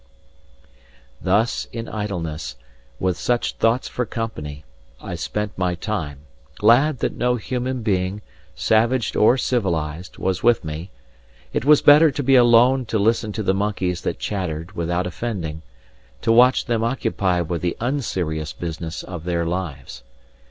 Thus in idleness, with such thoughts for company, I spent my time, glad that no human being, savage or civilized, was with me. It was better to be alone to listen to the monkeys that chattered without offending; to watch them occupied with the unserious business of their lives.